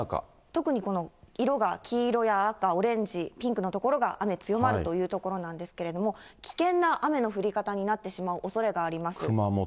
特にこの色が黄色や赤、オレンジ、ピンクの所が、雨強まるという所なんですけれども、危険な雨の降り方になってしまうおそれがあります。